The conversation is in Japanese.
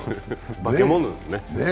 化け物ですね。